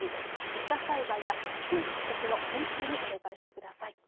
土砂災害や低い土地の浸水に警戒してください。